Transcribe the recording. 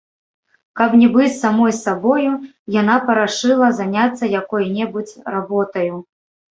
Каб не быць самой з сабою, яна парашыла заняцца якою-небудзь работаю.